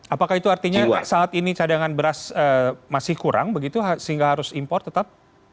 apakah itu artinya saat ini cadangan beras masih kurang begitu sehingga harus impor tetap